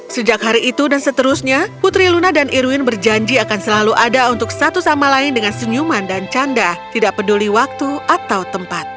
sejak hari itu dan seterusnya putri luna dan irwin berjanji akan selalu ada untuk satu sama lain dengan senyuman dan canda tidak peduli waktu atau tempat